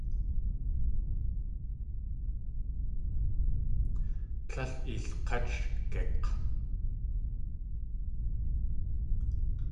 Líl ilk̲áchgik̲!